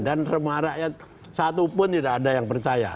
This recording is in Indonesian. dan rumah rakyat satu pun tidak ada yang percaya